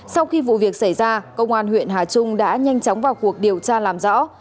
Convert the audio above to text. sau khi vụ việc xảy ra công an huyện hà trung đã nhanh chóng vào cuộc điều tra làm rõ